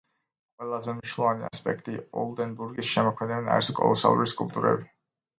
ყველაზე მნიშვნელოვანი ასპექტი ოლდენბურგის შემოქმედებიდან არის კოლოსალური სკულპტურები.